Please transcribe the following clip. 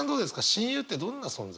親友ってどんな存在？